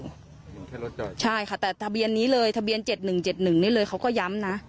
เห็นแค่รถจอดใช่ค่ะแต่ทะเบียนนี้เลยทะเบียนเจ็ดหนึ่งเจ็ดหนึ่งนี่เลยเขาก็ย้ำนะ